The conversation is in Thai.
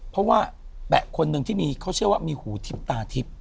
เพราะว่าแปะคนหนึ่งที่มีเขาเชื่อว่ามีหูทิพย์ตาทิพย์